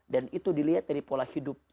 dan itu dilihat dari pola hidup